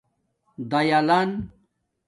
دایلَن